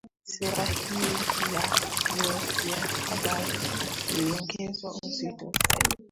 Sera hii ya vyo vya habari iliongezwa uzito zaidi